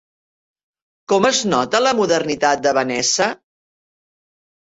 Com es nota la modernitat de Vanessa?